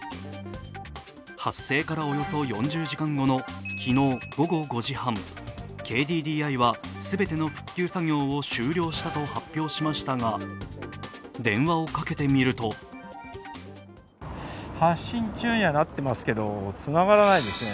発生からおよそ４０時間後の昨日午後５時半、ＫＤＤＩはすべての復旧作業を終了したと発表しましたが電話をかけてみると発信中にはなってますけど、つながらないですね、